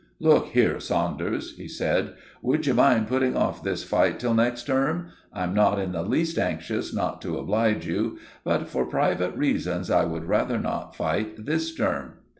"Look here, Saunders," he said; "would you mind putting off this fight till next term? I'm not in the least anxious not to oblige you; but for private reasons I would rather not fight this term."